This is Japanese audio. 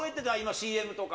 ＣＭとか。